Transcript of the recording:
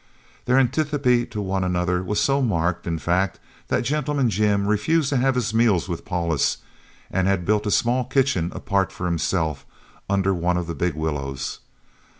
Their antipathy to one another was so marked, in fact, that "Gentleman Jim" refused to have his meals with Paulus and had built a small kitchen apart for himself, under one of the big willows.